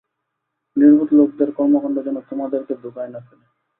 নির্বোধ লোকদের কর্মকাণ্ড যেন তোমাদেরকে ধোকায় না ফেলে।